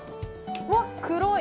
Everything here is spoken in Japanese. わっ黒い。